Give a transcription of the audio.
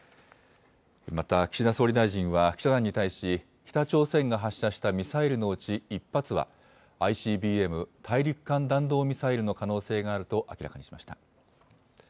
また、岸田総理大臣は記者団に対し、北朝鮮が発射したミサイルのうち１発は、ＩＣＢＭ・大陸間弾道ミサイルの可能性があると明らかにしました。